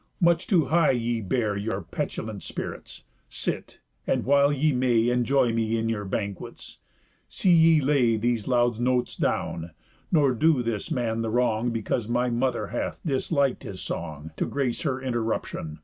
much too high ye bear Your petulant spirits; sit; and, while ye may Enjoy me in your banquets, see ye lay These loud notes down, nor do this man the wrong, Because my mother hath disliked his song, To grace her interruption.